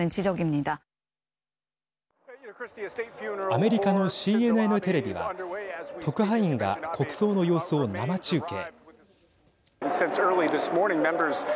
アメリカのＣＮＮテレビは特派員が国葬の様子を生中継。